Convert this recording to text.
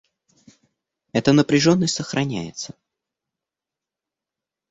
Эта напряженность сохраняется.